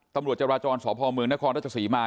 ตำรวจราจรสพงศ์เมืองนครรัฐครสีมา